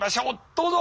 どうぞ！